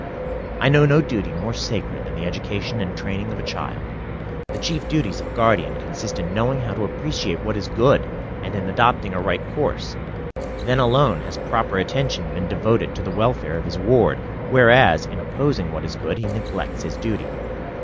I know no duty more sacred than the education and training of a child. The chief duties of a guardian consist in knowing how to appreciate what is good, and in adopting a right course; then alone has proper attention been devoted to the welfare of his ward, whereas in opposing what is good he neglects his duty.